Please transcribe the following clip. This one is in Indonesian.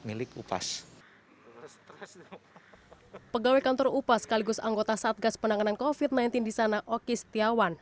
milik upas pegawai kantor upas sekaligus anggota satgas penanganan kofit sembilan belas di sana oki setiawan